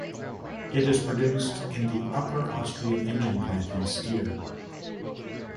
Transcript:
It is produced in the upper Austrian engine plant in Steyr.